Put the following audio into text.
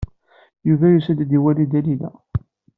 Yuba yusa-d ad iwali Dalila.